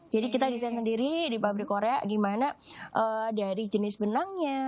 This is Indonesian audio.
jadi kita desain sendiri di pabrik korea gimana dari jenis benangnya